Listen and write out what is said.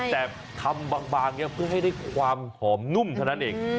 แต่ทำบางอย่างนี้เพื่อให้ได้ความหอมนุ่มเท่านั้นเอง